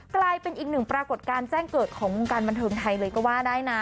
กลายเป็นอีกหนึ่งปรากฏการณ์แจ้งเกิดของวงการบันเทิงไทยเลยก็ว่าได้นะ